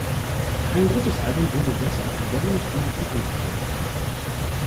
Ein drittes Album wurde deshalb gar nicht mehr in Angriff genommen.